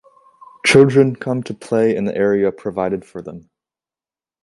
Children come to play in the area provided for them.